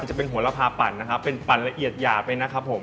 จะเป็นหัวระพาปั่นนะครับเป็นปั่นละเอียดหยาดเลยนะครับผม